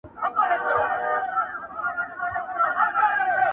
o که په کور کي امير دئ، په بهر کي فقير دئ٫